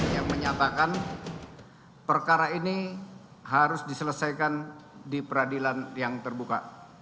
yang menyatakan perkara ini harus diselesaikan di peradilan yang terbuka